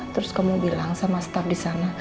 terus kamu bilang sama staff disana